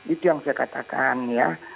itu yang saya katakan ya